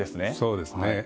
そうですね。